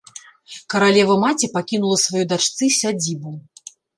Каралева-маці пакінула сваёй дачцы сядзібу.